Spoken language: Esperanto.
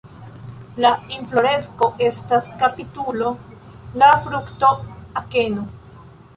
La infloresko estas kapitulo, la frukto akeno.